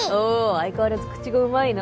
相変わらず口がうまいな。